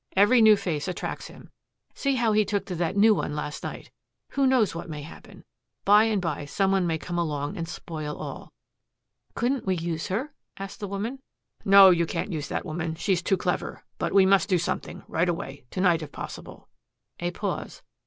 Every new face attracts him. See how he took to that new one last night. Who knows what may happen? By and by some one may come along and spoil all." "Couldn't we use her?" asked the woman. "No, you can't use that woman. She's too clever. But we must do something, right away to night if possible." A pause.